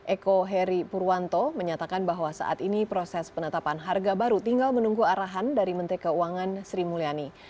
eko heri purwanto menyatakan bahwa saat ini proses penetapan harga baru tinggal menunggu arahan dari menteri keuangan sri mulyani